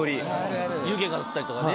湯気があったりとかね。